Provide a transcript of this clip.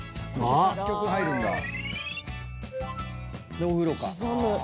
でお風呂か。